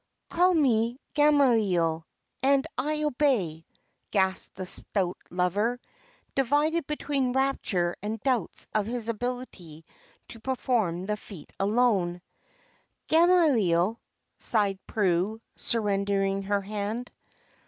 "Call me Gamaliel, and I obey!" gasped the stout lover, divided between rapture and doubts of his ability to perform the feat alone. "Gamaliel," sighed Prue, surrendering her hand.